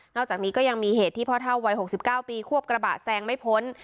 อกจากนี้ก็ยังมีเหตุที่พ่อเท่าวัย๖๙ปีควบกระบะแซงไม่พ้น